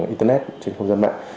internet trên không gian mạng